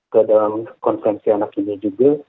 kedalam konferensi anak ini juga